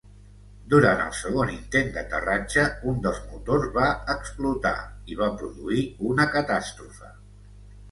Durant el segon intent d'aterratge, un dels motors va explotar, i va produir una catàstrofe.